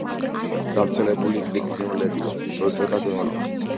გავრცელებული ფრინველებია: როჭო, გნოლი.